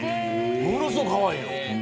ものすごい、かわいいのよ。